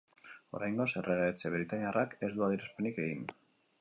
Oraingoz, errege-etxe britainiarrak ez du adierazpenik egin.